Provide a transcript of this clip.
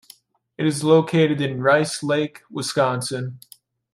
It is located in Rice Lake, Wisconsin.